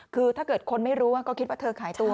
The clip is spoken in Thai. คือถ้าเกิดคนไม่รู้ว่าก็คิดว่าเธอขายตัว